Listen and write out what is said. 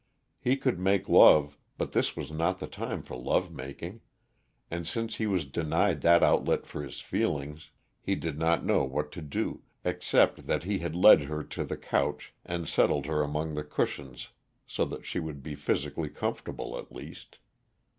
He could make love but this was not the time for love making; and since he was denied that outlet for his feelings, he did not know what to do, except that he led her to the couch, and settled her among the cushions so that she would be physically comfortable, at least.